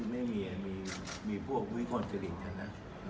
ไม่มีมีพวกวิคลคลิกทั้งนั้นนะ